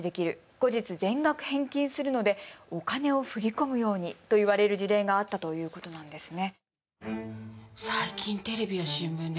後日、全額返金するのでお金を振り込むようにと言われる事例があったということなんですね。